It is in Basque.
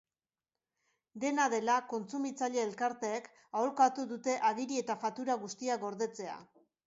Dena dela, kontsumitzaile elkarteek aholkatu dute agiri eta faktura guztiak gordetzea.